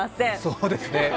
そうですね。